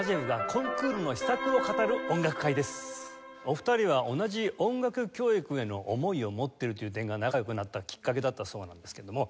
お二人は同じ音楽教育への思いを持っているという点が仲良くなったきっかけだったそうなんですけども。